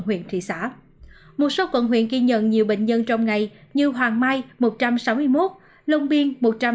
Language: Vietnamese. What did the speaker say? huyện thị xã một số quận huyện ghi nhận nhiều bệnh nhân trong ngày như hoàng mai một trăm sáu mươi một lông biên một trăm năm mươi tám